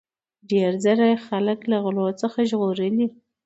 ډیر ځله یې خلک له غلو څخه ژغورلي.